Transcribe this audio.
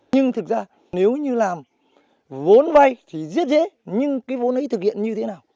nhưng thực ra nếu như làm vốn vay thì rất dễ nhưng cái vốn ấy thực hiện như thế nào